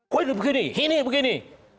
kok begini ini begini